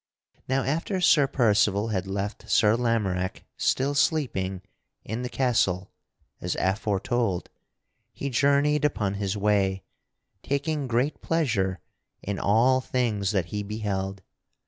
Now after Sir Percival had left Sir Lamorack still sleeping in the castle as aforetold, he journeyed upon his way, taking great pleasure in all things that he beheld.